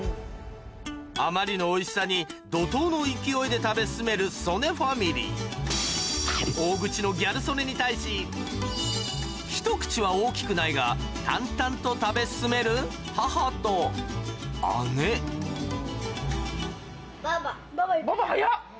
あまりのおいしさに怒濤の勢いで食べ進める曽根ファミリー大口のギャル曽根に対しひと口は大きくないが淡々と食べ進める母と姉・ばぁば・・早っ！